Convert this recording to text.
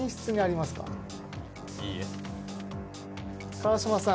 川島さん